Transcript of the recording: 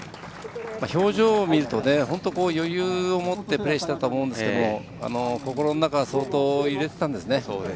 表情を見ると本当に余裕を持ってプレーしたと思うんですけど心の中は相当揺れてたんですね。